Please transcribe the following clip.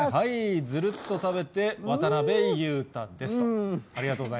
ずるっと食べて、渡辺裕太ですと。